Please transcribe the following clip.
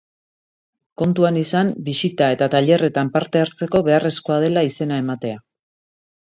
Kontuan izan bisita eta tailerretan parte hartzeko beharrezkoa dela izena ematea.